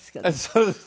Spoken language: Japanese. そうです。